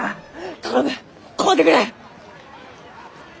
頼む買うてくれ！